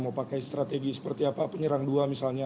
mau pakai strategi seperti apa penyerang dua misalnya